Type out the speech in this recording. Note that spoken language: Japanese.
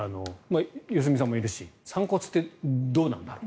良純さんもいるし散骨ってどうなんだろう。